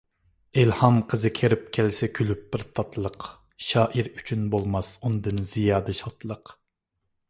ئىلھام قىزى كىرىپ كەلسە كۈلۈپ بىر تاتلىق، شائىر ئۈچۈن بولماس ئۇندىن زىيادە شادلىق.